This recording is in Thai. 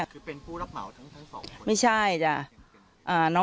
คือเป็นผู้รับเหมาทั้งสองคน